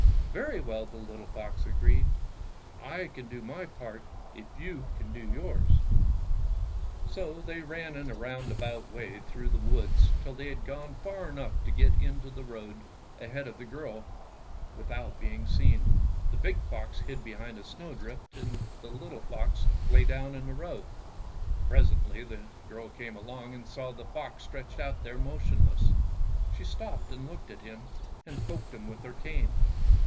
"Very well," the little fox agreed; "I can do my part if you can do yours." THE PEASANT GIRL IHINKS SHE HAS FOUND A DEAD FOX 85 Fairy Tale Foxes So they ran in a roundabout way through the woods till they had gone far enough to get into the road ahead of the girl without being seen. The big fox hid behind a snow drift, and the little fox lay down in the road. Presently the girl came along and saw the fox stretched out there motionless. She stopped and looked at him and poked him with hei cane.